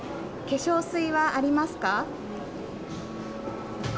化粧水はありますか？